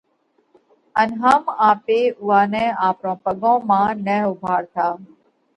ان هم آپي اُوئا نئہ آپرون پڳون مانه نه اُوڀاڙتا